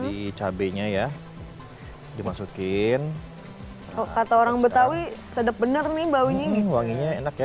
di cabainya ya dimasukin kata orang betawi sedap bener nih baunya nih wanginya enak ya